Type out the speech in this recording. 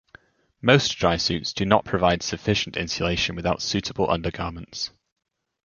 Most drysuits do not provide sufficient insulation without suitable undergarments.